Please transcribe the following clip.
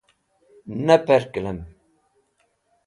Ne perkẽlem